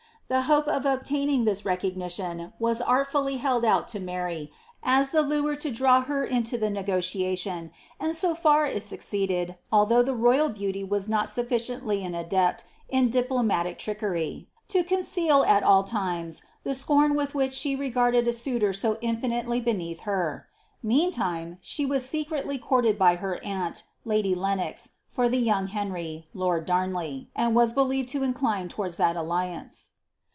^ The hope of obtaining this recognition was artfully held out to 3Iary, as the lure to draw her into the negotiation, and so far it suc ceeded, although the royal beauty was not sufficiently an adept in diplo matic trickery, to conceal, at all times, the scorn with which she re garded a suitor so infinitely beneath her. Meantime, she was secretly courted by her aunt, lady Lenox, for the young Henry, lord Darnley, and was believed to incline towards that alliance.